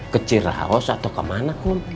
kecil raus atau kemana ik